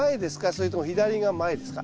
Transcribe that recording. それとも左が前ですか？